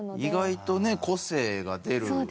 意外とね個性が出る。